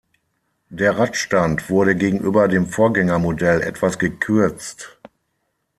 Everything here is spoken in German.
Der Radstand wurde gegenüber dem Vorgängermodell etwas gekürzt.